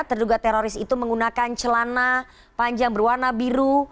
terduga teroris itu menggunakan celana panjang berwarna biru